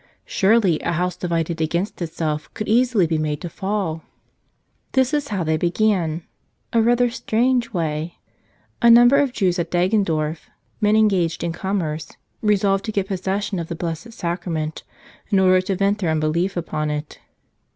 Surely, a house divided against it¬ self could easily be made to fall! This is how they began — a rather strange way. A number of Jews at Deggendorf, men engaged in com¬ merce, resolved to get possession of the Blessed Sacra¬ ment in order to vent their unbelief upon it.